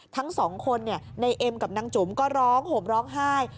ทั้งสองคนในเอ็มกับนางจุ๋มก็ร้องห่มร้องไห้